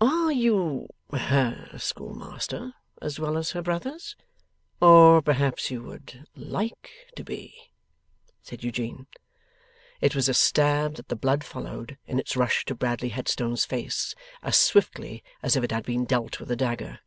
'Are you her schoolmaster as well as her brother's? Or perhaps you would like to be?' said Eugene. It was a stab that the blood followed, in its rush to Bradley Headstone's face, as swiftly as if it had been dealt with a dagger.